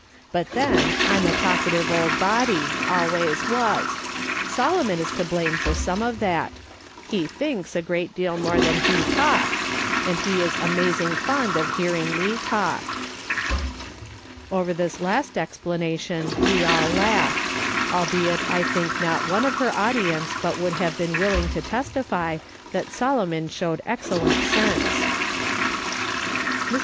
But then I'm a talkative old body, always was; Solomon is to blame for some of that : he thinks a good deal more than he talks, and he is amazing fond of hearing me talk." Over this last explanation we all laughed ; albeit I think not one of her audience but would have been willing to testify that Solomon showed excel lent sense. Mrs.